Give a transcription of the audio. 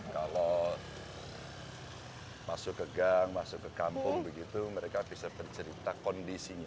kalau masuk ke gang masuk ke kampung begitu mereka bisa bercerita kondisinya